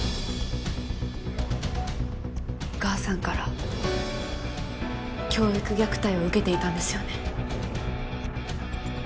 お母さんから教育虐待を受けていたんですよね。